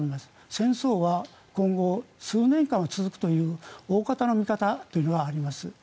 戦争は今後、数年間は続くという大方の見方があります。